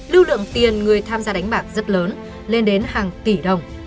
lưu lượng tiền người tham gia đánh bạc rất lớn lên đến hàng tỷ đồng